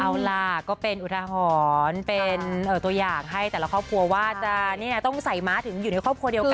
เอาล่ะก็เป็นอุทหรณ์เป็นตัวอย่างให้แต่ละครอบครัวว่าต้องใส่ม้าถึงอยู่ในครอบครัวเดียวกัน